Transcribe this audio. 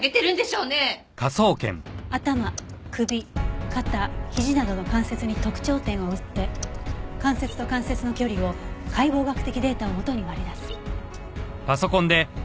頭首肩ひじなどの関節に特徴点を打って関節と関節の距離を解剖学的データを元に割り出す。